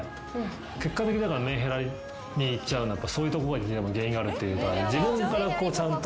結果的にメンヘラにいっちゃうのはやっぱそういうとこに原因があるっていうか自分からこうちゃんと。